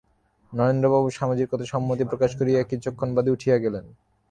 নরেন্দ্রবাবু স্বামীজীর কথায় সম্মতি প্রকাশ করিয়া কিছুক্ষণ বাদে উঠিয়া গেলেন।